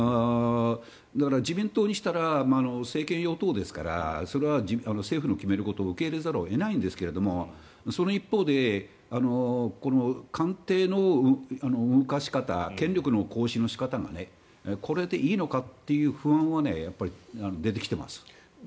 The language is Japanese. だから、自民党にしたら政権与党ですからそれは政府の決めることを受け入れざるを得ないんですがその一方で官邸の動かし方権力の行使の仕方がこれでいいのかという不安は出てきています。